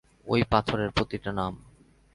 ঐ পাথরের প্রতিটা নাম!